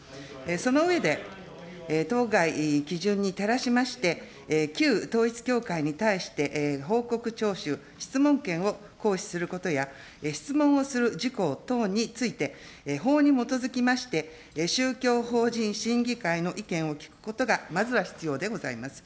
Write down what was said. その上で、当該基準に照らしまして、旧統一教会に対して報告徴収、質問権を行使することや、質問をする事項等について、法に基づきまして、宗教法人審議会の意見を聞くことがまずは必要でございます。